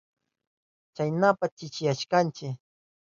Kaynapas chishiyashkanchi.